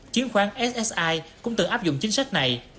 chiến khoán ssi cũng từng áp dụng chính sách này